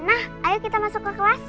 nah ayo kita masuk ke kelas